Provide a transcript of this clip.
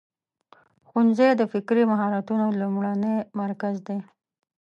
ښوونځی د فکري مهارتونو لومړنی مرکز دی.